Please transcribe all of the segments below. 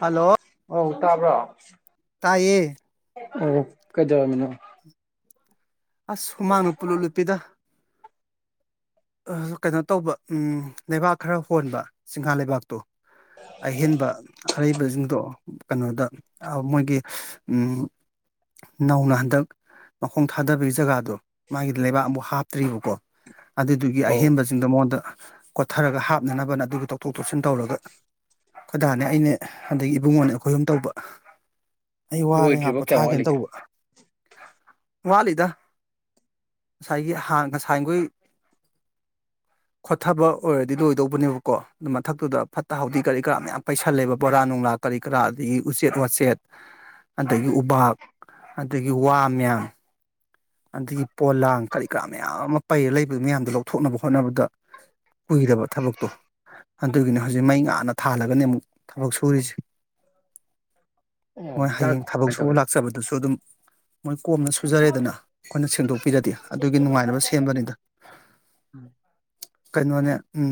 hello ꯑꯧ ꯇꯥꯕ꯭ꯔꯣ ꯇꯌꯦ ꯑꯣ ꯀꯖꯥ ꯃ ꯑꯁ ꯍꯨꯃꯥꯡꯅ ꯄꯨꯜꯂꯨ ꯅꯨꯨꯄꯤꯗ ꯀꯩꯅꯣ ꯇꯧꯕ ꯂꯩꯕꯥꯛ ꯈꯔ ꯍꯣꯟꯕ ꯆꯤꯡꯒꯥꯥ ꯂꯩꯕꯥꯛꯇꯣ ꯑꯍꯦꯟꯕ ꯑꯔꯩꯕꯁꯤꯡꯗꯣ ꯀꯩꯅꯣꯗ ꯃꯣꯏꯒꯤ ꯅꯧꯅ ꯍꯟꯗꯛ ꯃꯈꯣꯡ ꯊꯥꯗꯕꯒꯤ ꯖꯒꯥꯗꯣ ꯃꯥꯒꯤ ꯂꯩꯕꯥꯛ ꯑꯃꯕꯨ ꯍꯥꯞꯇ꯭ꯔꯤꯕꯀꯣ ꯑꯗꯨꯗꯨꯒꯤ ꯑꯍꯦꯟꯕꯁꯤꯡꯗꯣ ꯃꯉꯣꯟꯗ ꯀꯣꯊꯔꯒ ꯍꯥꯞꯅꯅꯕꯅ ꯑꯗꯨꯒꯤ ꯇꯧꯊꯣꯛ ꯇꯧꯁꯤꯟ ꯇꯧꯔꯒ ꯈꯣꯏꯗꯥꯅꯦ ꯑꯅꯦ ꯑꯗꯒꯤ ꯏꯕꯨꯡꯉꯣꯅꯦ ꯑꯩꯈꯣꯏ ꯑꯨꯝ ꯇꯧꯕ ꯑꯩ ꯋꯥꯔꯦ ꯂꯣꯏꯗ꯭ꯔꯤꯕꯣ ꯉꯥꯛꯄ ꯀꯌꯥꯝ ꯊꯥꯒꯦꯅ ꯋꯥꯠꯂꯤꯒꯦ ꯇꯧꯕ ꯋꯥꯠꯂꯤꯗ ꯉꯁꯥꯏꯒꯤ ꯉꯁꯥꯏꯈꯣꯏ [inaudible] ꯈꯣꯊꯕ ꯑꯣꯏꯔꯗꯤ ꯂꯣꯏꯗꯧꯕꯅꯦꯕꯀꯣ ꯑꯗꯨ ꯃꯊꯛꯇꯨꯗ ꯐꯠꯇ ꯍꯥꯎꯊꯤ ꯀꯔꯤ ꯀꯔꯥ ꯃꯌꯥꯝ ꯄꯩꯁꯜꯂꯦꯕ ꯕꯣꯔꯥ ꯅꯨꯡꯂꯥ ꯀꯔꯤ ꯀꯔꯥ ꯑꯗꯒꯤ ꯎꯆꯦꯠ ꯋꯥꯆꯦꯠ ꯑꯗꯒꯤ ꯎꯄꯥꯛꯥꯛ ꯑꯗꯒꯤ ꯋꯥ ꯃꯌꯥ ꯑꯗꯒꯤ ꯄꯣꯂꯥꯡ ꯀꯔꯤ ꯀꯔꯥ ꯃꯌꯥꯝ ꯑꯃ ꯄꯩꯔ ꯂꯩꯕꯒꯤ ꯃꯌꯥꯝꯗꯨꯣ ꯂꯧꯊꯣꯛꯅꯕ ꯍꯣꯠꯅꯕꯗ ꯀꯏꯗꯕ ꯊꯕꯛꯇꯣ ꯑꯗꯨꯒꯤꯅꯤ ꯍꯧꯖꯤꯛ ꯃꯩ ꯉꯥꯅ ꯊꯥꯜꯂꯒꯅꯤ ꯑꯃꯨꯛ ꯊꯕꯛ ꯁꯨꯔꯤꯁꯦ ꯑꯣ ꯃꯣꯏ ꯆꯥꯛ ꯍꯌꯦꯡ ꯊꯕꯛ ꯀꯃꯥꯏꯅ ꯁꯨꯕ ꯇꯧꯔꯦ ꯂꯥꯛꯆꯕꯗꯨꯁꯨ ꯑꯗꯨꯝ ꯃꯣꯏ ꯀꯣꯝꯅ ꯁꯨꯖꯔꯦꯗꯅ ꯑꯩꯈꯣꯏꯅ ꯁꯦꯡꯗꯣꯛꯄꯤꯔꯗꯤ ꯑꯗꯨꯒꯤ ꯅꯨꯡꯉꯥꯏꯅꯕ ꯁꯦꯝꯕꯅꯤꯗ ꯀꯩꯅꯣꯅꯦ ꯎ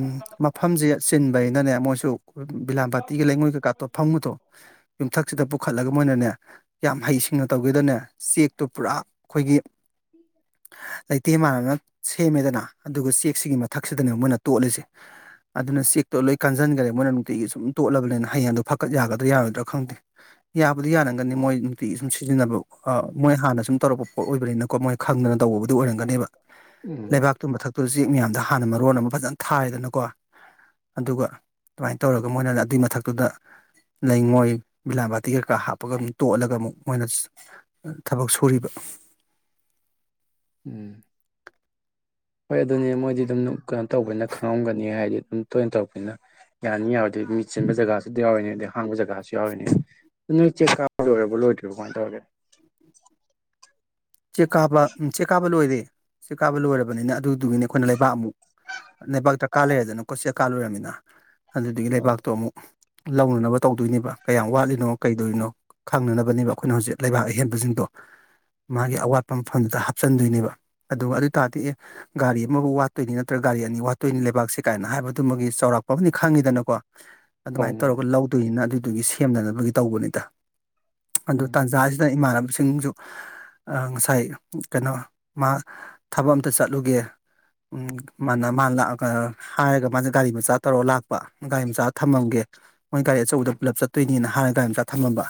ꯃꯐꯝꯁꯦ ꯆꯤꯟꯕꯩꯅꯅꯦ ꯃꯣꯏꯁꯨ ꯑꯩꯈꯣꯏ ꯕꯤꯂꯥꯝꯕꯥꯥꯇꯤꯒ ꯂꯩꯉꯣꯏꯒ ꯀꯥꯇꯣ ꯐꯪꯉꯨꯗꯣ ꯌꯨꯝꯊꯛꯁꯤꯗ ꯄꯨꯈꯠꯂꯒ ꯃꯣꯏꯅꯅꯦ ꯌꯥꯝ ꯍꯩꯁꯤꯡꯅ ꯇꯧꯒꯦꯗꯅꯦ ꯆꯦꯛꯇꯣ ꯄꯨꯔꯥ ꯑꯩꯈꯣꯏꯒꯤ ꯊ ꯂꯩꯇꯦ ꯃꯥꯟꯅꯅ ꯁꯦꯝꯃꯦꯗꯅ ꯑꯗꯨꯒ ꯆꯦꯛꯁꯤꯒꯤ ꯃꯊꯛꯁꯤꯗꯅ ꯃꯣꯏꯅ ꯇꯣꯠꯂꯤꯁꯦ ꯑꯗꯨꯅ ꯆꯦꯛꯇꯣ ꯂꯣꯏ ꯀꯥꯟꯁꯤꯟꯈꯔꯦ ꯃꯣꯏꯅ ꯅꯨꯡꯇꯤꯒꯤ ꯁꯨꯝ ꯇꯣꯠꯂꯕꯅꯤꯅ ꯍꯌꯦꯡꯗꯣ ꯐꯀꯠ ꯌꯥꯒꯗ꯭ꯔꯥ ꯌꯥꯔꯣꯏꯗ꯭ꯔꯥ ꯈꯪꯗꯦ ꯌꯥꯕꯨꯗꯤ ꯌꯥꯅꯒꯅꯤ ꯃꯣꯏ ꯅꯨꯡꯇꯤ ꯁꯨꯝ ꯁꯤꯖꯤꯟꯅꯕ ꯃꯣꯏ ꯍꯥꯟꯅ ꯁꯨꯝ ꯇꯧꯔꯛꯄ ꯄꯣꯠ ꯑꯣꯏꯕꯅꯤꯅ ꯀꯣ ꯃꯣꯏ ꯈꯪꯗꯅ ꯇꯧꯕꯕꯨꯗꯨ ꯑꯣꯏꯔꯝꯒꯅꯦꯕ ꯎꯝ ꯂꯩꯕꯥꯛꯇꯨ ꯃꯊꯛꯇꯨ ꯎꯆꯦꯛ ꯃꯌꯥꯝꯗ ꯍꯥꯟꯅ ꯃꯔꯣꯟ ꯑꯃ ꯐꯖꯅ ꯊꯥꯏꯗꯅꯀꯣ ꯑꯗꯨꯒ ꯑꯗꯨꯃꯥꯏꯅ ꯇꯧꯔꯒ ꯃꯣꯏꯅ ꯑꯗꯨꯏ ꯃꯊꯛꯇꯨꯗ ꯂꯩꯉꯣꯏ ꯕꯤꯂꯥꯕꯥꯇꯤ ꯀꯩꯀꯥ ꯍꯥꯞꯄꯒ ꯑꯃꯨꯛ ꯇꯣꯠꯂꯒ ꯑꯃꯨꯛ ꯃꯣꯏꯅ ꯊꯕꯛ ꯁꯨꯔꯤꯕ [inaudible] ꯎꯝ ꯍꯣꯏ ꯑꯗꯨꯅꯦ ꯃꯣꯏꯗꯤ ꯑꯗꯨꯝ ꯀꯩꯅꯣ ꯇꯧꯕꯅ ꯈꯪꯂꯝꯝꯒꯅꯤ ꯍꯥꯏꯗꯤ ꯇꯣꯏꯅ ꯇꯧꯔꯛꯄꯅꯤꯅ ꯌꯥꯅꯤ ꯌꯥꯔꯣꯏꯗꯤ ꯃꯤꯠ ꯆꯤꯟꯕ ꯖꯒꯥꯁꯨ ꯌꯥꯎꯔꯤꯦꯅꯦ ꯑꯗꯩ ꯍꯥꯡꯕ ꯖꯒꯥꯁꯨ ꯌꯥꯎꯔꯤꯅꯦ ꯅꯣꯏꯥꯔꯕ ꯉꯥꯏ ꯇꯒꯦ [inaudible] ꯆꯦꯛ ꯀꯥꯕ ꯆꯦꯛ ꯀꯥꯕ ꯂꯣꯏꯔꯦ ꯆꯦꯛ ꯀꯥꯕ ꯂꯣꯏꯔꯕꯅꯤꯅ ꯑꯗꯨꯗꯨꯒꯤꯅꯦ ꯑꯩꯈꯣꯏꯅ ꯂꯩꯕꯥꯛ ꯑꯃꯨꯛ ꯂꯩꯕꯥꯛꯇ ꯀꯥ ꯂꯩꯔꯦꯗꯅ ꯀꯣꯆꯦ ꯀꯥꯜꯂꯣꯏꯔꯕꯃꯤꯅ ꯑꯗꯨꯗꯨꯗꯒꯤ ꯑꯣ ꯂꯩꯕꯥꯛꯇꯣ ꯑꯃꯨꯛ ꯂꯧꯅꯅꯕ ꯇꯧꯗꯣꯏꯅꯦꯕ ꯀꯌꯥꯝ ꯋꯥꯠꯂꯤꯅꯣ ꯀꯩꯗꯧꯔꯤꯅꯣ ꯈꯪꯅꯅꯕꯅꯦꯕ ꯑꯩꯈꯣꯏꯅ ꯍꯧꯖꯤꯛ ꯂꯩꯕꯥꯛ ꯑꯍꯦꯟꯕꯁꯤꯡꯗꯣ ꯃꯥꯒꯤ ꯑꯋꯥꯠꯄ ꯃꯐꯝꯗꯨꯗ ꯍꯥꯞꯆꯤꯟꯗꯣꯏꯅꯦꯕ ꯑꯗꯨ ꯑꯗꯨ ꯑꯣꯏ ꯇꯥꯔꯗꯤ ꯒꯥꯔꯤ ꯑꯃꯕꯨ ꯋꯥꯠꯇꯣꯏꯅꯤ ꯅꯠꯇ꯭ꯔꯒ ꯒꯥꯔꯤ ꯑꯅꯤ ꯋꯥꯠꯇꯣꯏꯅꯤ ꯂꯩꯕꯥꯛꯁꯦ ꯀꯥꯏꯅ ꯍꯥꯏꯕꯗꯨꯃꯒꯤ ꯆꯥꯎꯔꯥꯛ ꯂꯥꯛꯄꯅꯤ ꯈꯪꯉꯤꯗꯅꯀꯣ ꯑꯧ ꯑꯗꯨꯃꯥꯏꯅ ꯃꯥꯅꯦ ꯇꯧꯔꯒ ꯂꯧꯗꯣꯏꯅꯤꯅ ꯑꯗꯨꯗꯨꯒꯤ ꯁꯦꯝꯅꯅꯕꯒꯤ ꯇꯧꯕꯅꯤꯗ ꯑꯗꯨ ꯎꯝ ꯇꯥꯟꯖꯥꯁꯤꯗ ꯏꯃꯥꯟꯅꯕꯁꯤꯡꯁꯨ ꯉꯁꯥꯏ ꯀꯩꯅꯣ ꯃꯥ ꯊꯕꯛ ꯑꯝꯇ ꯆꯠꯂꯨꯒꯦ ꯎꯝ ꯃꯥꯅ ꯃꯥ ꯍꯥꯏꯔꯒ ꯃꯥꯁꯦ ꯒꯥꯔꯤ ꯃꯆꯥ ꯇꯧꯔ ꯂꯥꯛꯄ ꯒꯥꯔꯤ ꯃꯆꯥ ꯊꯝꯃꯝꯒꯦ ꯃꯣꯏ ꯒꯥꯔꯤ ꯑꯆꯧꯕꯗ ꯄꯨꯜꯂꯞ ꯆꯠꯇꯣꯏꯅꯤꯅ ꯍꯥꯟꯅ ꯒꯥꯔꯤ ꯑꯆꯥ ꯊꯝꯂꯝꯕ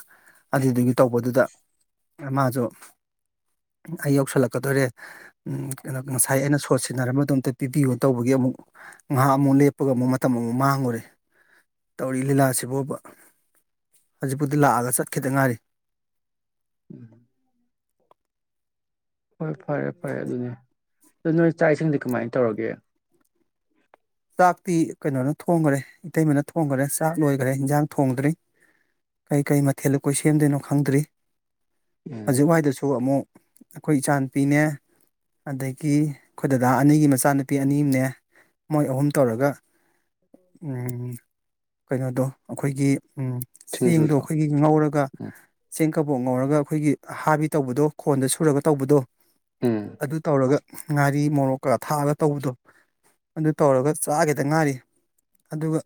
ꯑꯗꯨꯗꯨꯒꯤ ꯇꯧꯕꯗꯨꯗ ꯔꯃꯁꯨꯣ ꯑꯩ ꯌꯧꯁꯜꯂꯛꯀꯗꯣꯏꯔꯦ ꯀꯩꯅꯣ ꯉꯁꯥꯏ ꯑꯩꯅ ꯁꯣꯠ ꯁꯤꯟꯅꯔꯕꯗꯣꯝꯇ ꯄꯤꯕꯤꯌꯣ ꯇꯧꯕꯒꯤ ꯑꯃꯨꯛ ꯉꯥꯏꯍꯥꯛ ꯑꯃꯨꯛ ꯂꯦꯞꯄꯒ ꯑꯃꯨꯛ ꯃꯇꯝ ꯑꯃꯨꯛ ꯃꯥꯡꯉꯨꯔꯦ ꯇꯧꯔꯤ ꯂꯤꯂꯥꯁꯤ ꯐꯥꯎꯕ ꯍꯧꯖꯤꯛꯄꯨꯗꯤ ꯂꯥꯛꯑꯒ ꯆꯠꯈꯤꯗ ꯉꯥꯏꯔꯤ ꯎꯝ ꯍꯣꯏ ꯐꯔꯦ ꯐꯔꯦ ꯑꯗꯨꯅꯤ ꯑꯗꯨ ꯅꯣꯏ ꯆꯥꯛ ꯏꯁꯤꯡꯗꯤ ꯀꯃꯥꯏꯅ ꯇꯧꯔꯒꯦ ꯆꯥꯛꯇꯤ ꯀꯩꯅꯣꯅ ꯊꯣꯡꯈꯔꯦ ꯏꯇꯩꯃꯅ ꯊꯣꯡꯈꯔꯦ ꯆꯥꯛ ꯂꯣꯏꯈꯔꯦ ꯏꯟꯖꯥꯡ ꯊꯣꯡꯗ꯭ꯔꯤ ꯀꯩ ꯀꯔꯤ ꯃꯊꯦꯜ ꯑꯩꯈꯣꯏ ꯁꯦꯝꯗꯣꯏꯅꯣ ꯈꯪꯗ꯭ꯔꯤ ꯎꯝ ꯍꯧꯖꯤꯛꯋꯥꯏꯗꯁꯨ ꯑꯃꯨꯛ ꯑꯩꯈꯣꯏ ꯏꯆꯥꯅꯨꯄꯤꯅꯦ ꯑꯗꯒꯤ ꯑꯩꯈꯣꯏ ꯗꯗꯥ ꯑꯅꯤꯒꯤ ꯃꯆꯥꯅꯨꯄꯤ ꯑꯅꯤꯝꯅꯦ ꯃꯣꯏ ꯑꯍꯨꯝ ꯇꯧꯔꯒ ꯀꯩꯅꯣꯗꯣ ꯑꯩꯈꯣꯏꯒꯤ ꯎꯝ ꯆꯦꯡꯗꯣ ꯁꯤꯡꯖꯨꯗꯣ ꯑꯩꯈꯣꯏꯒꯤ ꯉꯧꯔꯒ ꯎꯝ ꯆꯦꯡ ꯀꯕꯣꯛ ꯉꯧꯔꯒ ꯑꯩꯈꯣꯏꯒꯤ ꯍꯥꯕꯤ ꯇꯧꯕꯗꯣ ꯈꯣꯟꯗ ꯁꯨꯔꯒ ꯇꯧꯕꯗꯣ ꯎꯝ ꯑꯗꯨ ꯇꯧꯔꯒ ꯉꯥꯔꯤ ꯃꯣꯔꯣꯛꯀꯒ ꯊꯥꯛꯑꯒ ꯇꯧꯕꯗꯣ ꯑꯗꯨ ꯇꯧꯔꯒ ꯆꯥꯒꯦꯗ ꯉꯥꯔꯤ ꯑꯗꯨꯒ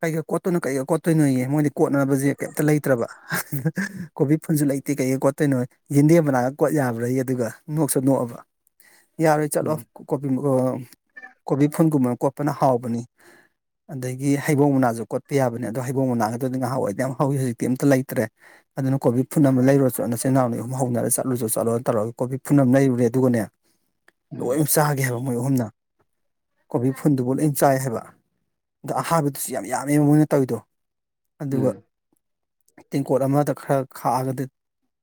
ꯀꯩꯀ ꯀꯣꯠꯇꯣꯏꯅꯣ ꯀꯩꯒ ꯀꯣꯠꯇꯣꯏꯅꯣꯅꯦ ꯃꯣꯏꯗꯤ ꯀꯣꯠꯅꯕꯁꯦ ꯀꯩꯝꯇ ꯂꯩꯇ꯭ꯔꯕ ꯀꯣꯕꯤ ꯐꯟꯁꯨ ꯂꯩꯇꯦ ꯀꯩꯀꯩ ꯀꯣꯠꯇꯣꯏꯅꯣ ꯌꯦꯟꯗꯦꯝ ꯃꯅꯥꯒ ꯀꯣꯠ ꯌꯥꯕ꯭ꯔꯩ ꯌꯥꯔꯣꯏ ꯆꯠꯂꯣ ꯎꯝ ꯀꯣꯄꯤꯃꯨ ꯀꯣꯕꯤ ꯐꯟꯒꯨꯝꯕꯅ ꯀꯣꯠꯄꯅ ꯍꯥꯎꯕꯅꯤ ꯑꯗꯒꯤ ꯍꯩꯕꯣꯡ [inaudible] ꯎꯝ ꯂꯣꯏꯅ ꯆꯥꯒꯦ ꯍꯥꯏꯕ ꯃꯣꯏ ꯑꯍꯨꯝꯅ ꯀꯣꯕꯤ ꯐꯨꯜꯗꯨꯐꯥꯎ ꯂꯣꯏ ꯆꯥꯏ ꯍꯥꯏꯕ ꯑꯗꯣ ꯑꯍꯥꯕꯗꯨꯁꯨ ꯌꯥꯝ ꯌꯥꯝꯃꯦꯕ ꯃꯣꯏꯅ ꯇꯧꯋꯤꯗꯣ ꯑꯗꯨꯒ ꯎꯝ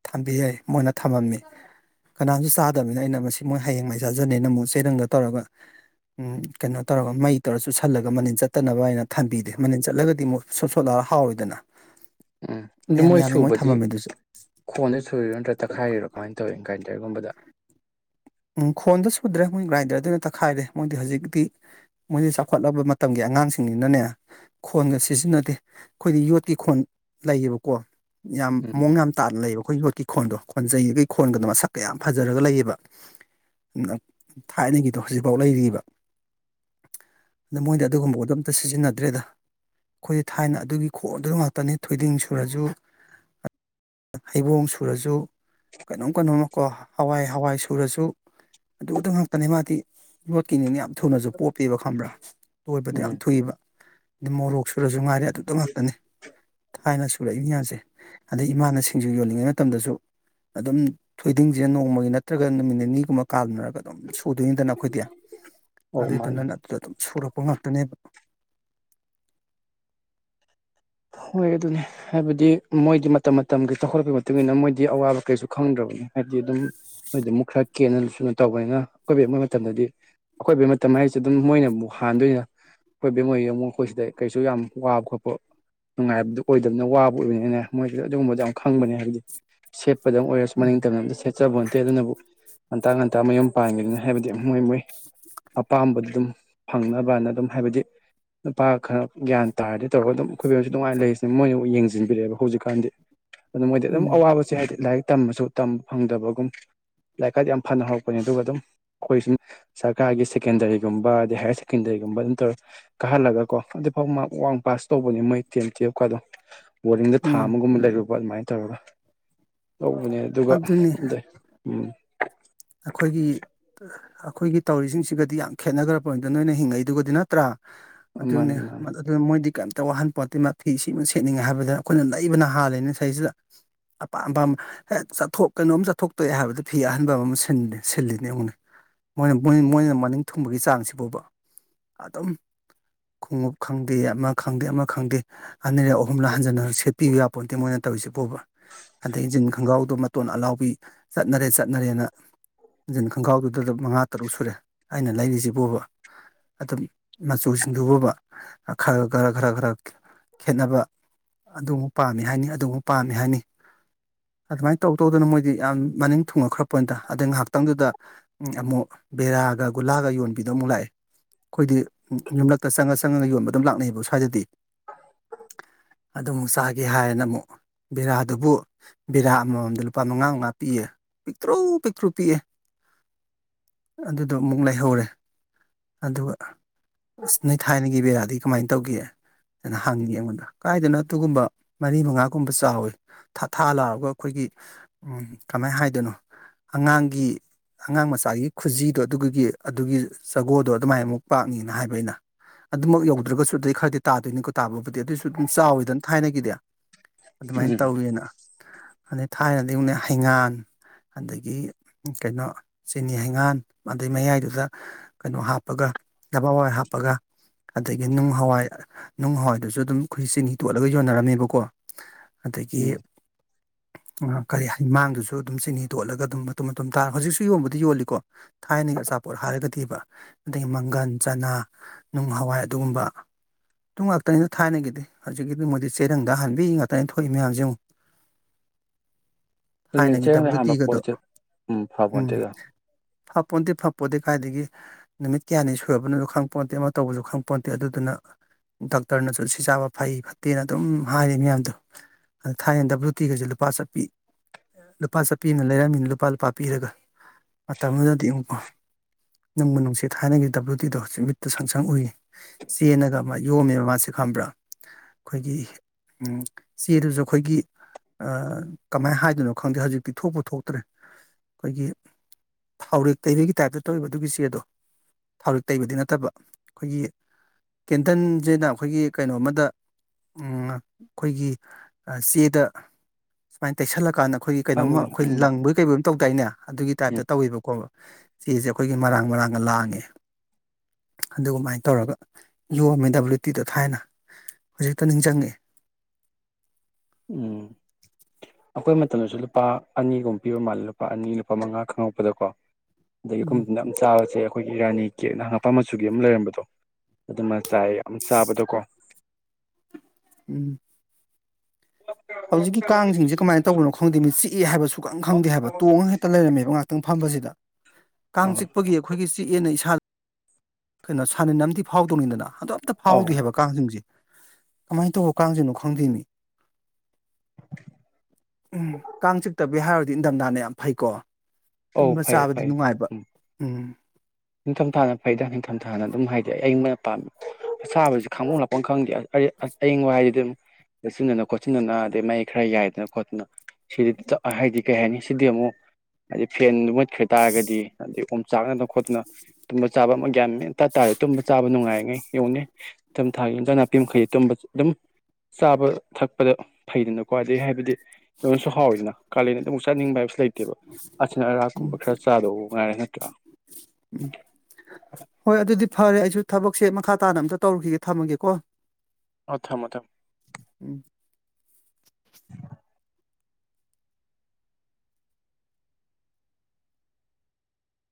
ꯊꯝꯕꯤ ꯌꯥꯏ ꯃꯣꯏꯅ ꯊꯝꯃꯝꯃꯤ ꯀꯅꯥꯁꯨ ꯆꯥꯗ ꯀꯩꯅꯣ ꯇꯧꯔꯒ ꯃꯩ ꯇꯧꯔ ꯆꯨꯁꯜꯂꯒ ꯃꯅꯤꯟ ꯆꯠꯇꯅꯕ ꯍꯥꯏꯅ ꯊꯝꯕꯤꯗꯦ ꯃꯅꯤꯟ ꯆꯠꯂꯒꯗꯤ ꯑꯃꯨꯛ ꯁꯣꯠ ꯁꯣꯠ ꯂꯥꯑꯣꯔꯥ ꯍꯥꯎꯋꯤꯗꯅ ꯎꯝ ꯑꯗꯨ ꯃꯣꯏ ꯁꯨꯕꯗꯤ ꯊꯝꯃꯝꯃꯤꯗꯨꯁꯨ ꯈꯣꯟꯗ ꯁꯨꯔꯤꯔꯣ ꯅꯠꯇ꯭ꯔꯒ ꯀꯒꯨꯝꯕꯗ ꯎ ꯈꯣꯟꯗ ꯁꯨꯗ꯭ꯔꯦ ꯃꯣꯏ ꯒ꯭ꯔꯥꯏꯟꯗꯔꯗꯨꯅ ꯇꯛꯈꯥꯏꯔꯦ ꯃꯣꯏꯗꯤ ꯍꯧꯖꯤꯛꯇꯤ ꯃꯣꯏꯗꯤ ꯆꯥꯎꯈꯠꯂꯕ ꯃꯇꯝꯒꯤ ꯑꯉꯥꯡꯁꯤꯡꯅꯤꯅꯅꯦ ꯈꯣꯟꯒ ꯁꯤꯖꯤꯟꯅꯗꯦ ꯑꯩꯈꯣꯏꯗꯤ ꯌꯣꯠꯀꯤꯤ ꯈꯣꯟ ꯂꯩꯌꯦꯕꯀꯣ ꯌꯥꯝ ꯎꯝ ꯃꯑꯣꯡ ꯌꯥꯝ ꯇꯥꯅ ꯂꯩꯕ ꯑꯩꯈꯣꯏ ꯌꯣꯠꯀꯤ ꯈꯣꯟꯗꯣ ꯈꯣꯟꯖꯩꯒꯩ ꯈꯣꯟꯒꯗꯣ ꯃꯁꯛꯀ ꯌꯥꯝ ꯐꯖꯔꯒ ꯂꯩꯌꯦꯕ ꯊꯥꯏꯅꯒꯤꯗꯣ ꯍꯧꯖꯤꯛꯐꯥꯎ ꯂꯩꯔꯤꯕ ꯃꯣꯌꯗꯤ ꯑꯗꯨꯒꯨꯝꯕꯗꯣ ꯑꯝꯇ ꯁꯤꯖꯤꯟꯅꯗ꯭ꯔꯦꯗ ꯑꯩꯈꯣꯏꯗꯤ ꯊꯥꯏꯅ ꯑꯗꯨꯒꯤ ꯈꯣꯔ ꯑꯗꯨ ꯉꯥꯛꯇꯅꯤ ꯊꯣꯏꯗꯤꯡ ꯁꯨꯔꯁꯨ ꯍꯩꯕꯣꯡ ꯁꯨꯔꯁꯨ ꯀꯩꯅꯣꯝ ꯀꯩꯅꯣꯝꯃꯀꯣ ꯍꯋꯥꯏ ꯍꯋꯥꯏ ꯊꯨꯔꯁꯨ ꯑꯗꯨꯗ ꯉꯥꯛꯇꯅꯦ ꯃꯥꯗꯤ ꯂꯣꯏꯕꯗ ꯌꯥꯝ ꯎꯝ ꯊꯨꯏꯕ ꯑꯩ ꯃꯣꯔꯣꯛ ꯁꯨꯔꯁꯨ ꯉꯥꯏꯔꯦ ꯑꯗꯨꯗ ꯉꯥꯛꯇꯅꯤ ꯊꯥꯏꯅ ꯁꯨꯔꯛꯏꯕꯅꯤ ꯑꯁꯦ ꯑꯗꯩ ꯏꯃꯥꯅ ꯑꯗꯨꯝ ꯊꯣꯏꯗꯤꯡꯁꯦ ꯅꯣꯡꯃꯒꯤ ꯅꯠꯇ꯭ꯔꯒ ꯅꯨꯃꯤꯠ ꯅꯤꯅꯤꯒꯨꯝꯕ ꯀꯥꯅꯔꯒ ꯑꯗꯨꯝ ꯁꯨꯗꯣꯏꯅꯤꯗꯅ ꯑꯩꯈꯣꯏꯗꯤ ꯑꯧ ꯃꯥꯅꯦ ꯑꯗꯗꯨꯅꯠꯇꯝ ꯁ ꯄꯣ ꯉꯥꯛꯇꯅꯦꯕ ꯍꯣꯏ ꯑꯗꯨꯅꯦ ꯍꯥꯏꯕꯗꯤ ꯃꯣꯏꯗꯤ ꯃꯇꯝ ꯃꯇꯝꯒꯤ ꯆꯥꯎꯈꯠꯂꯛꯄꯒꯤ ꯏ ꯃꯇꯨꯡꯏꯟꯅ ꯃꯣꯏꯗꯤ ꯑꯋꯥꯕ ꯀꯩꯁꯨ ꯈꯪꯗ꯭ꯔꯕ ꯍꯥꯏꯗꯤ ꯑꯗꯨꯝ ꯃꯣꯏꯗ ꯑꯃꯨꯛ ꯈꯔ ꯀꯦꯅ ꯁꯨꯅ ꯇꯧꯕꯅꯤꯅ ꯑꯀꯣꯏꯕ ꯌꯦꯛꯕ ꯃꯇꯝꯗꯗꯤ ꯑꯀꯣꯏꯕꯩ ꯃꯇꯝ ꯍꯥꯏꯁꯦ ꯑꯗꯨꯝ ꯃꯣꯏꯅ ꯑꯃꯨꯛ ꯍꯥꯟꯗꯣꯏꯅ ꯑꯩꯈꯣꯏ ꯕꯦꯝꯃꯣꯏ ꯑꯃꯨꯛ ꯑꯩꯈꯣꯏ ꯁꯤꯗ ꯀꯩꯁꯨ ꯌꯥꯝ ꯋꯥꯕ ꯈꯣꯠꯄ ꯅꯨꯡꯉꯥꯏꯕꯗꯨ ꯑꯣꯏꯗꯕꯅꯤꯅ ꯋꯥꯕ ꯑꯣꯏꯕꯅꯤꯅ ꯃꯣꯏꯗꯨꯗ ꯑꯗꯨꯒꯨꯝꯕꯗꯣ ꯌꯥꯝ ꯈꯪꯕꯅꯦ ꯍꯥꯏꯕꯗꯤ ꯁꯦꯞ ꯗ ꯑꯣꯏꯔꯁꯨ ꯎꯝ ꯃꯅꯤꯡꯇꯝꯅꯇ ꯁꯦꯠꯆꯕ ꯍꯣꯟꯇꯦ ꯑꯗꯨꯅꯕꯨ ꯉꯟꯇꯥ ꯉꯟꯇꯥ ꯃꯌꯨꯝ ꯄꯥꯟꯒꯅꯤ ꯍꯥꯏꯕꯗꯤ ꯃꯣꯏ ꯃꯣꯏ ꯑꯄꯥꯝꯕꯗꯨ ꯅꯨꯄꯥ ꯈꯔ ꯒ꯭ꯌꯥꯟ ꯇꯥꯔꯗꯤ ꯇꯧꯔꯒ ꯑꯗꯨꯝ ꯑꯩꯈꯣꯏꯕꯁꯨ ꯅꯨꯡꯉꯥꯏꯅ ꯂꯩꯔꯤꯁꯤꯦ ꯃꯣꯏꯅꯕꯨ ꯌꯦꯡꯁꯤꯟꯕꯤꯔꯛꯑꯦꯕ ꯍꯧꯖꯤꯛꯀꯥꯟꯗꯤ ꯑꯗꯨ ꯃꯣꯏꯗꯤ ꯑꯗꯨꯝ ꯎꯝ ꯑꯋꯥꯕꯁꯦ ꯍꯥꯏꯗꯤ ꯂꯥꯏꯔꯤꯛ ꯇꯝꯕꯁꯨ ꯇꯝꯕ ꯐꯪꯗꯕꯒꯨꯝ ꯂꯥꯏꯔꯤꯛꯀꯥꯏꯗ ꯌꯥꯝ ꯐꯅ ꯍꯧꯔꯛꯄꯅꯦ ꯑꯗꯨꯒ ꯑꯗꯨꯝ ꯑꯩꯈꯣꯏ ꯁꯨꯝ ꯁꯔꯀꯥꯔꯒꯤ ꯁꯦꯀꯦꯟꯗꯔꯤꯒꯨꯝꯕ ꯑꯗꯩ ꯍꯥꯌꯌꯔ ꯁꯦꯀꯦꯟꯗꯔꯤꯒꯨꯝꯕ ꯑꯗꯨꯝ ꯇꯧꯔ ꯀꯥꯍꯜꯂꯒ ꯀꯣ ꯁꯤꯗꯥ ꯃꯇꯛ ꯋꯥꯪ ꯄꯥꯁꯁ ꯅꯤ ꯃꯣꯏ ꯇꯦꯟ ꯇꯨꯌꯦꯞꯀꯗꯣ ꯕꯣꯔꯤꯡꯗ ꯊꯥ ꯎꯝ ꯑꯃꯒꯨꯝꯕ ꯂꯩꯔꯨꯕ ꯑꯗꯨꯃꯥꯏꯅ ꯇꯧꯔꯒ ꯂꯧꯕꯅꯦ ꯑꯗꯨꯒ ꯑ ꯑꯗꯨꯅꯤ ꯎꯝ ꯑꯩꯈꯣꯏꯒꯤ ꯑꯩꯈꯣꯏꯒꯤ ꯇꯧꯔꯤꯁꯤꯡꯁꯤꯒꯗꯤ ꯌꯥꯝ ꯈꯦꯠꯅꯈ꯭ꯔ ꯄꯗ ꯅꯣꯏꯅ ꯍꯤꯡꯉꯛꯏꯗꯨꯒꯗꯤ ꯅꯠꯇ꯭ꯔꯥ ꯃꯥꯅꯤ ꯑꯗꯨꯅꯤ ꯃꯥꯅꯤ ꯑꯗꯨ ꯃꯣꯏꯗꯤ ꯀ ꯈꯤꯇ ꯋꯥꯍꯟ ꯄꯣꯠꯇꯤ ꯐꯤ ꯁꯤꯃ ꯁꯦꯠꯅꯤꯡꯉꯦ ꯍꯥꯏꯕꯗ ꯑꯩꯈꯣꯏꯅ ꯂꯩꯕꯅ ꯍꯥꯜꯂꯤꯅꯤ ꯁꯤꯩꯁꯤꯗ ꯑꯄꯥꯝ ꯑꯄꯥꯝꯕ ꯆꯠꯊꯣꯛ ꯀꯩꯅꯣꯝ ꯆꯠꯊꯣꯛꯇꯣꯛꯑꯦ ꯍꯥꯏꯕꯗ ꯐꯤ ꯑꯍꯟꯕ ꯑꯃꯨ ꯁꯤꯜꯂꯤꯅꯦ ꯑꯩꯉꯣꯟ ꯃꯣꯏꯅ ꯃꯣꯏꯅ ꯃꯅꯤꯡ ꯊꯨꯡꯕꯒꯤ ꯆꯥꯡꯁꯤꯐꯥꯎꯕ ꯑꯗꯝ ꯈꯣꯡꯎꯞ ꯈꯪꯗꯦ ꯑꯃ ꯈꯪꯗꯦ ꯑꯃ ꯈꯪꯗꯦ ꯑꯅꯤꯔꯛ ꯑꯍꯨꯝꯂ ꯍꯟꯖꯤꯟ ꯁꯦꯠꯄꯤꯌꯨ ꯌꯥꯄꯣꯠꯇꯦ ꯃꯣꯏꯅ ꯇꯧꯔꯤꯁꯦ ꯄꯨꯣꯕ ꯑꯗꯩ ꯖꯤꯟ ꯈꯣꯡꯒ꯭ꯔꯥꯎꯗꯣ ꯃꯇꯣꯟ ꯑꯂꯥꯎꯕꯤ ꯆꯠꯅꯔꯦ ꯆꯠꯅꯔꯦꯅ ꯍꯟꯖꯤꯟ ꯈꯣꯡꯒ꯭ꯔꯥꯎꯗꯨꯗ ꯃꯉꯥ ꯇꯔꯨꯛ ꯁꯨꯔꯦ ꯑꯩꯅ ꯂꯩꯔꯤꯁꯤꯕꯣꯕ ꯑꯗꯨꯝ ꯃꯆꯨ ꯁꯤꯡꯗꯨꯨꯕꯕ ꯈꯔ ꯈꯔ ꯈꯔ ꯈꯔ ꯈꯦꯠꯅꯕ ꯑꯗꯨꯝꯨꯛ ꯄꯥꯝꯃꯤ ꯍꯥꯏꯅꯤ ꯑꯗꯨꯝꯨꯛ ꯄꯥꯝꯃꯤ ꯍꯥꯏꯅꯤ ꯑꯗꯨꯃꯥꯏꯅ ꯇꯧ ꯇꯧꯗꯅ ꯃꯣꯏꯗꯤ ꯌꯥꯝ ꯃꯅꯤꯡ ꯊꯨꯡꯉꯈ꯭ꯔꯄꯅꯤꯗ ꯑꯗꯩ ꯉꯥꯏꯍꯥꯛꯇꯪꯗꯨꯗ ꯑꯃꯨꯛ ꯕꯦꯔꯥꯒ ꯒꯨꯂꯥꯒ ꯌꯣꯟꯕꯤꯗꯣ ꯑꯃꯨꯛ ꯂꯥꯛꯑꯦ ꯑꯩꯈꯣꯏꯗꯤ ꯌꯨꯝꯂꯛꯇ ꯆꯪꯉ ꯆꯪꯉꯒ ꯌꯣꯟꯕ ꯑꯗꯨꯝ ꯂꯥꯛꯅꯩꯑꯕ ꯁ꯭ꯋꯥꯏꯗꯗꯤ ꯑꯗꯨ ꯑꯃꯨꯛ ꯆꯥꯒꯦ ꯍꯥꯏꯌꯦꯅ ꯑꯃꯨꯛ ꯕꯤꯔꯥꯗꯨꯕꯨ ꯕꯤꯦꯔꯥ ꯑꯃꯃꯝꯗ ꯂꯨꯄꯥ ꯃꯉꯥ ꯉꯥ ꯄꯤꯌꯦ ꯄꯤꯛꯇ꯭ꯔꯨ ꯄꯤꯛꯇ꯭ꯔꯨ ꯄꯤꯛꯑꯦ ꯑꯗꯨꯗꯣ ꯑꯃꯨꯛ ꯂꯩꯍꯧꯔꯦ ꯑꯗꯨꯒ ꯑꯁ ꯅꯣꯏ ꯊꯥꯏꯅꯒꯤ ꯕꯦꯔꯥꯗꯤ ꯀꯃꯥꯏꯅ ꯇꯧꯒꯦ ꯑꯗꯨꯅ ꯍꯪꯉꯤ ꯑꯩꯉꯣꯟꯗ ꯀꯥꯏꯗꯅ ꯑꯗꯨꯒꯨꯝꯕ ꯃꯔꯤ ꯃꯉꯥꯒꯨꯝꯕ ꯆꯥꯎꯋꯤꯥ ꯊꯥ ꯂꯥꯛꯑꯒ ꯑꯩꯈꯣꯏꯒꯤ ꯎ ꯀꯃꯥꯏꯅ ꯍꯥꯏꯗꯣꯏꯅꯣ ꯑꯉꯥꯡꯒꯤ ꯑꯉꯥꯡ ꯃꯆꯥꯒꯤ ꯈꯨꯖꯤꯗꯣ ꯑꯗꯨꯒꯤ ꯑꯗꯨꯒꯤ ꯖꯒꯣꯗꯣ ꯑꯗꯨꯃꯥꯏꯅ ꯑꯃꯨꯛ ꯄꯥꯛꯅꯤꯅ ꯍꯥꯏꯕ ꯑꯩꯅ ꯑꯗꯨꯃꯛ ꯌꯧꯗ꯭ꯔꯒꯁꯨ ꯑꯗꯨꯗꯩ ꯈꯔꯗꯤ ꯇꯥꯗꯣꯏꯅꯤꯀꯣ ꯇꯥꯕꯕꯨꯗꯤ ꯑꯗꯨꯑꯣꯏꯁꯨ ꯑꯗꯨꯝ ꯆꯥꯎꯋꯤꯗꯅ ꯊꯥꯏꯅꯒꯤꯗꯤ ꯑꯗꯨꯃꯥꯏꯅ ꯎꯝ ꯇꯧꯋꯦꯅ ꯑꯗꯩ ꯊꯥꯏꯅꯗꯤꯛꯅ ꯍꯩꯉꯥꯟ ꯑꯗꯒꯤ ꯀꯩꯅꯣ ꯆꯤꯅꯤ ꯍꯩꯉꯥꯟ ꯑꯗꯩ ꯃꯌꯥꯏꯗꯨꯗ ꯀꯩꯅꯣ ꯍꯥꯞꯄꯒ ꯕꯋꯥꯏ ꯍꯥꯞꯄꯒ ꯑꯗꯒꯤ ꯅꯨꯡ ꯍꯋꯥꯏ ꯅꯨꯡ ꯍꯋꯥꯏꯗꯨꯁꯨ ꯑꯗꯨꯝ ꯑꯩꯈꯣꯏ ꯆꯤꯟꯍꯤꯤ ꯇꯣꯠꯂꯒ ꯌꯣꯟꯅꯔꯝꯃꯦꯕꯀꯣ ꯎꯝ ꯑꯗꯒꯤ ꯀꯔꯤꯃꯥꯡꯗꯨꯁꯨ ꯑꯗꯨꯝ ꯆꯤꯅꯤ ꯇꯣꯠꯂꯒ ꯑꯗꯨ ꯃꯇ ꯃꯇ ꯇꯥꯔ ꯍꯧꯖꯤꯛꯁꯨ ꯌꯣꯟꯕꯗꯤ ꯌꯣꯜꯂꯤꯀꯣ ꯊꯥꯏꯅꯒꯤ ꯑꯆꯥꯄꯣꯠ ꯍꯥꯏꯔꯒꯗꯤꯕ ꯑꯗꯒꯤ ꯃꯪꯒꯜ ꯆ ꯐꯅ ꯅꯨꯡ ꯍꯋꯥꯏ ꯑꯗꯨꯒꯨꯝꯕ ꯇ ꯉꯥꯛꯇꯅꯤꯗ ꯊꯥꯏꯅꯒꯤꯗ ꯍꯧꯖꯤꯛꯀꯤꯗꯤ ꯃꯣꯏꯗꯤ ꯆꯩꯦꯔꯪꯗ ꯍꯟꯕꯤ ꯉꯥꯛꯇꯅꯤ ꯊꯣꯛꯏ ꯃꯌꯥꯝꯁꯦ ꯑꯃꯨꯛ [inaudible] ꯊꯥꯏꯅꯒꯤ ꯆꯦꯡꯗ ꯗꯕ꯭ꯂꯤꯎ ꯍꯥꯟꯕ ꯇꯤꯒꯗꯣ ꯄꯣꯠꯁꯦ ꯎ ꯐꯕ ꯎꯝ ꯅꯠꯇꯦꯗ ꯐꯄꯣꯟꯇꯦ ꯐꯄꯣꯟꯠꯇꯦ ꯀꯥꯏꯏꯗꯒꯤ ꯅꯨꯃꯤꯠ ꯀꯌꯥꯅꯤ ꯁꯨꯔꯕꯅꯣꯁꯨ ꯈꯪ ꯄꯣꯟꯣꯟꯇꯦ ꯑꯃ ꯇꯧꯕꯁꯨ ꯈꯪ ꯄꯣꯟꯟꯇꯦ ꯑꯗꯨꯗꯨꯅ ꯗꯣꯛꯇꯔꯅꯁꯨ ꯁꯤ ꯆꯥꯕ ꯐꯩ ꯐꯠꯇꯦꯅ ꯑꯗꯨꯝ ꯍꯥꯏꯔꯤ ꯃꯌꯥꯝꯗꯣ ꯑ ꯊꯥꯏꯌꯦꯦꯟ ꯗꯕ꯭ꯂꯨ ꯇꯤꯒꯩꯁꯦ ꯂꯨꯄꯥ ꯆꯠꯄꯤ ꯂꯨꯄꯥ ꯆꯠꯄꯤꯅ ꯂꯩꯔꯝꯃꯤꯅ ꯏꯄꯥꯜ ꯄꯥꯄꯤꯔꯒ ꯃꯇꯝ ꯑꯗꯨꯗꯗꯤ ꯑꯃꯨꯛ ꯄ ꯅꯪꯕꯨ ꯅꯨꯡꯁꯤꯠ ꯊꯥꯏꯅꯒꯤ ꯗꯕ꯭꯭ꯂꯨ ꯗꯤꯗꯣ ꯍꯧ ꯃꯤꯠꯇ ꯁꯪꯁꯪ ꯎꯏ ꯆꯦꯟꯟꯅꯒ ꯃꯥ ꯌꯣꯝꯃꯦꯕ ꯃꯥꯁꯦ ꯈꯝꯕ꯭ꯔꯥ ꯑꯩꯈꯣꯏꯒꯤ ꯆꯦꯗꯨꯁꯨ ꯑꯩꯈꯣꯏꯒꯤ ꯀꯃꯥꯏꯅ ꯍꯥꯏꯗꯣꯏꯅꯣ ꯈꯪꯗꯦ ꯍꯧꯖꯤꯛꯇꯤ ꯊꯣꯛꯄ ꯊꯣꯛꯇ꯭ꯔꯦ ꯑꯩꯈꯣꯏꯒꯤ ꯊꯥꯎꯔꯦꯛ ꯇꯩꯕꯒꯤ ꯇꯥꯏꯞꯇ ꯇꯧꯕ ꯑꯗꯨꯒꯤ ꯆꯦꯗꯣ ꯊꯥꯔꯤꯛ ꯇꯩꯕꯗꯤ ꯅꯠꯇꯕ ꯑꯩꯈꯣꯏꯒꯤ ꯀꯦꯟꯇꯟꯁꯤꯅ ꯑꯩꯈꯣꯏꯒꯤ ꯀꯩꯅꯣꯝꯃꯗ ꯑꯩꯈꯣꯏꯒꯤ ꯆꯦꯗ ꯁꯨꯃꯥꯏꯅ ꯇꯩꯁꯜꯂꯀꯥꯟꯗ ꯑꯩꯈꯣꯏꯒꯤ ꯀꯩꯅꯣꯝꯃ ꯈꯪꯉꯤꯅꯦ ꯑꯩꯈꯣꯏ ꯎꯝ ꯂꯪꯕꯒꯤ ꯇꯧ ꯇꯥꯏꯅꯦ ꯑꯗꯨꯒꯤ ꯇꯥꯏꯞꯇ ꯎꯝ ꯇꯧꯋꯦꯕꯀꯣ ꯆꯁꯦ ꯑꯩꯈꯣꯏꯒꯤ ꯃꯔꯥꯡ ꯃꯔꯥꯡꯒ ꯂꯥꯡꯉꯦ ꯑꯗꯨꯃꯥꯏꯅ ꯇꯧꯔꯒ ꯌꯣꯝꯃꯦ ꯗꯕ꯭ꯂꯤꯎ ꯇꯤꯗ ꯊꯥꯏꯅ ꯍꯧꯖꯤꯛꯇ ꯅꯤꯡꯁꯤꯡꯪꯉꯤ ꯎꯝ ꯑꯩꯈꯣꯏ ꯃꯇꯝꯗꯁꯨ ꯂꯨꯄꯥ ꯑꯅꯤꯒꯨꯝ ꯄꯤꯕ ꯃꯥꯜꯂꯦ ꯂꯨꯄꯥ ꯑꯅꯤ ꯂꯨꯄꯥ ꯃꯉꯥ ꯈꯪꯉꯛꯄꯗꯀꯣ ꯑꯗꯒꯤ ꯎꯝ ꯑꯩꯈꯣꯏꯅ ꯌꯥꯝ ꯆꯥꯕꯁꯦ ꯑꯩꯈꯣꯏꯒꯤ ꯏꯔꯥꯅꯤ ꯀꯦꯛ ꯅꯍ ꯍꯥꯄꯥ ꯃꯆꯨꯒꯤ ꯑꯃ ꯂꯩꯔꯝꯕꯗꯣ ꯑꯗꯨꯃ ꯆꯥꯏ ꯌꯥꯝ ꯆꯥꯕꯗꯣꯀꯣ ꯎꯝ ꯍꯧꯖꯤꯛꯀꯤ ꯀꯥꯡꯁꯤꯡꯁꯦ ꯀꯃꯥꯏꯅ ꯇꯧꯕꯅꯣ ꯈꯪꯗꯦ ꯃꯤ ꯆꯤꯑꯦ ꯍꯥꯏꯕꯁꯨ ꯈꯪ ꯈꯪꯗꯦ ꯍꯥꯏꯕ ꯇꯣꯡꯉꯒ ꯍꯦꯛꯇ ꯂꯩꯔꯝꯃꯦꯕ ꯉꯥꯏꯥꯛꯇꯪ ꯐꯝꯕꯁꯤꯗ ꯀꯥꯡ ꯑꯧ ꯆꯤꯛꯄꯒꯤ ꯑꯩꯈꯣꯏꯒꯤ ꯆꯤꯑꯦꯅ ꯏꯁꯥꯗ ꯀꯩꯅꯣ ꯁꯅꯤꯟ ꯑꯝꯗꯤ ꯐꯥꯎꯗꯧꯅꯤꯗꯅ ꯑꯗ ꯑꯝꯇ ꯑꯧ ꯐꯥꯎꯗ꯭ꯦ ꯍꯥꯏꯕ ꯀꯥꯡꯁꯤꯡꯁꯦ ꯀꯃꯥꯏꯅ ꯇꯧꯕ ꯀꯥꯡꯁꯤꯅꯣ ꯈꯪꯗꯦꯅꯤ ꯎꯝ ꯀꯥꯡ ꯆꯤꯛꯇꯕꯤ ꯍꯥꯏꯔꯨꯔꯗꯤ ꯏꯊꯝꯊꯥꯅ ꯌꯥꯝ ꯐꯩꯀꯣ ꯑꯧ ꯇꯨꯝꯕ ꯐꯩ ꯆꯥꯕꯗꯤ ꯐꯩ ꯅꯨꯡꯉꯥꯏꯕ ꯎꯝ ꯎꯝ ꯅꯤꯡꯊꯝꯊꯥꯅ ꯐꯩꯗ ꯅꯤꯡꯊꯝꯊꯥꯅ ꯑꯗꯨꯝ ꯍꯥꯏꯗꯤ ꯑꯩꯣꯟ ꯄꯥꯝ ꯑꯁꯥꯕꯁꯤ ꯈꯥꯡꯕꯝ ꯂꯥꯛꯄ ꯈꯪꯗꯦ ꯑꯌꯪꯕ ꯍꯥꯏꯗꯤ ꯑꯗꯨꯝ ꯆꯠꯁꯤꯟꯗꯅ ꯈꯣꯠꯆꯤꯟꯗꯅ ꯑꯗꯩ ꯃꯩ ꯈꯔ ꯌꯥꯏꯗꯅ ꯈꯣꯠꯇꯅ ꯁꯤꯗꯤ ꯍꯥꯏꯗꯤ ꯀꯩ ꯍꯥꯏꯅꯤ ꯁꯤꯗꯤ ꯑꯃꯨꯛ ꯍꯥꯏꯗꯤ ꯐꯦꯟꯗꯨ ꯈ꯭ꯔ ꯇꯥꯔꯒꯗꯤ ꯑꯗꯩ ꯑꯣꯝ ꯆꯥꯛꯅꯅ ꯈꯣꯠꯇꯅ ꯇꯨꯝꯕ ꯆꯥꯕ ꯑꯃ ꯒ꯭ꯟꯅꯤꯇꯥꯇꯥꯥꯔ ꯇꯨꯝꯕ ꯆꯥꯕ ꯅꯨꯡꯉꯥꯏꯔꯤꯉꯩ ꯌꯧꯅꯦ ꯏꯊ ꯊꯥꯒꯤ ꯏꯟꯖꯥꯡ ꯅꯥꯄꯤ ꯃꯈꯩ ꯇ ꯑꯗꯨꯝ ꯆꯥꯕ ꯊꯛꯄꯗ ꯐꯩꯗꯅꯀ꯭ꯋꯥ ꯑꯗꯩ ꯍꯥꯏꯕꯗꯤ ꯂꯉꯣꯟꯁꯨ ꯍꯥꯎꯋꯗꯅ ꯀꯥꯂꯦꯟꯅ ꯑꯗꯨ ꯑꯃꯨꯛ ꯆꯥꯅꯤꯡꯕ ꯍꯥꯏꯕꯁꯨ ꯂꯩꯇ ꯠꯇꯦꯕ ꯑꯅ ꯑꯔꯥꯛꯀꯨꯝꯕ ꯈꯔ ꯆꯥꯗꯧꯕ ꯉꯥꯏꯔꯦ ꯅꯠꯇ꯭ꯔꯥ ꯎꯝ ꯍꯣꯏ ꯑꯗꯨ ꯑꯗꯨꯗꯤ ꯐꯔꯦ ꯑꯩꯁꯨ ꯊꯕꯛꯁꯦ ꯃꯈꯥ ꯇꯥꯅ ꯑꯝꯇ ꯇꯧꯔꯨꯈꯤꯒꯦ ꯊꯝꯃꯒꯦꯀꯣ ꯑ ꯊꯝ ꯊꯝ ꯎꯝ